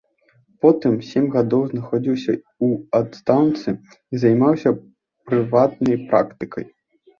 Потым сем гадоў знаходзіўся ў адстаўцы і займаўся прыватнай практыкай.